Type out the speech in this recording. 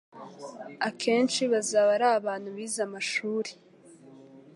akenshi bazaba ari abantu bize amashuri,